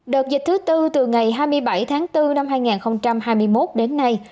đợt dịch thứ tư từ ngày hai mươi bảy tháng bốn năm hai nghìn hai mươi một đến nay